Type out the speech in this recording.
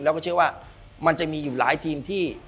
แล้วก็เชื่อว่ามันจะมีอยู่หลายทีมที่